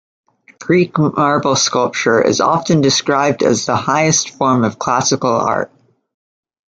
Greek marble sculpture is often described as the highest form of Classical art.